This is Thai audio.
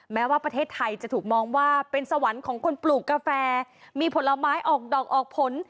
แม้ว่าประเทศไทยจะถูกมองว่าเป็นสวรรค์ของคนปลูกกาแฟมีผลไม้ออกดอกออกผล